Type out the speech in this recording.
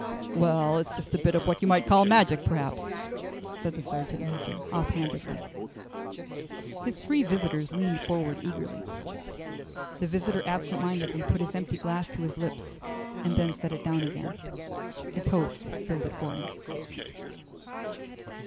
"Well, it's just a bit of what you might call magic, perhaps," said the sergeant major, offhandedly. His three listeners leaned forward eagerly. The visitor absent mindedly put his empty glass to his lips and then set it down again. His host filled it for him.